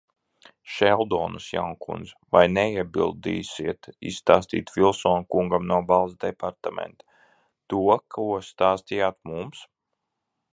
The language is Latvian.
Šeldonas jaunkundz, vai neiebildīsiet izstāstīt Vilsona kungam no Valsts departamenta to, ko stāstījāt mums?